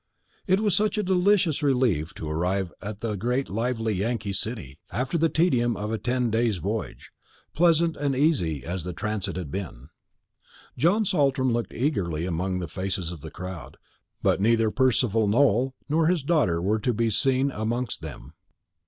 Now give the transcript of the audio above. It was such a delicious relief to arrive at the great lively Yankee city, after the tedium of a ten day's voyage, pleasant and easy as the transit had been. John Saltram looked eagerly among the faces of the crowd, but neither Percival Nowell nor his daughter were to be seen amongst them.